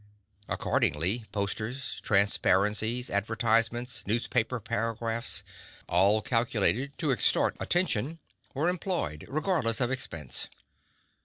Accordingly, posters, transparencies, advertisements, newspaper paragraphs all calculated to extort attention were employed, regardless of expense.